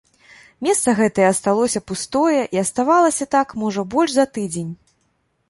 Месца гэтае асталося пустое і аставалася так, можа, больш за тыдзень.